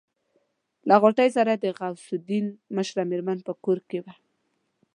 له غوټۍ سره د غوث الدين مشره مېرمن په کور کې وه.